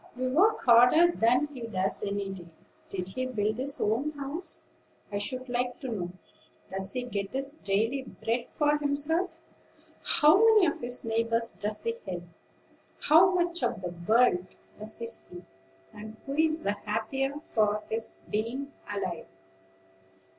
"We work harder than he does any day. Did he build his own house, I should like to know? Does he get his daily bread for himself? How many of his neighbors does he help? How much of the world does he see, and who is the happier for his being alive?"